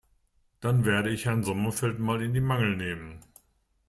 Dann werde ich Herrn Sommerfeld mal in die Mangel nehmen.